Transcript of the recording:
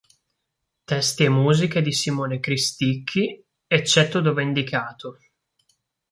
Testi e musiche di Simone Cristicchi, eccetto dove indicato.